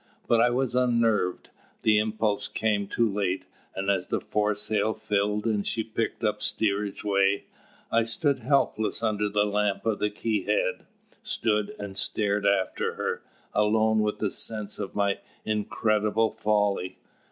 But I was unnerved; the impulse came too late; and as the foresail filled and she picked up steerage way, I stood helpless under the lamp at the quay head stood and stared after her, alone with the sense of my incredible folly.